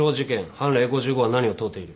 判例５５は何を問うている？